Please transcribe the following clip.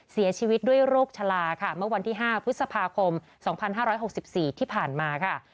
เสียชีวิตด้วยโรคชะลาค่ะเมื่อวันที่๕พฤษภาคม๒๕๖๔ที่ผ่านมาค่ะ